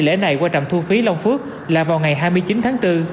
lễ này qua trạm thu phí long phước là vào ngày hai mươi chín tháng bốn